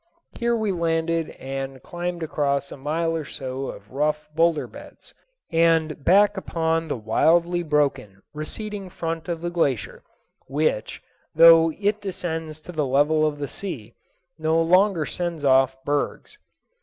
Here we landed, and climbed across a mile or so of rough boulder beds, and back upon the wildly broken, receding front of the glacier, which, though it descends to the level of the sea, no longer sends off bergs.